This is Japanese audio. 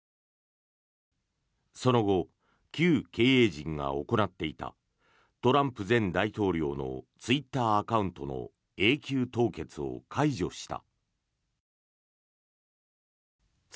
その後、旧経営陣が行っていたトランプ前大統領のツイッターアカウントの永久凍結を解除した。